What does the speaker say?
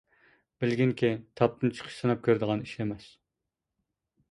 بىلگىنكى تاپتىن چىقىش سىناپ كۆرىدىغان ئىش ئەمەس.